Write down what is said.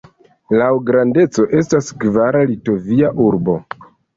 Laŭ grandeco estas kvara Litovia urbo.